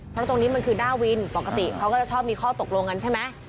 เพราะตรงนี้มันคือหน้าวินปกติเขาก็จะชอบมีข้อตกลงกันใช่ไหม